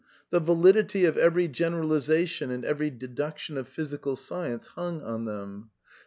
The validity of every generaliza tion and every deduction of physical science hung on them.